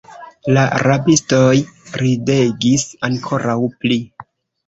La rabistoj ridegis ankoraŭ pli.